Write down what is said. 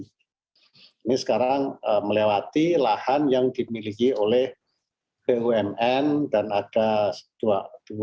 ini sekarang melewati lahan yang dimiliki oleh bumn dan ada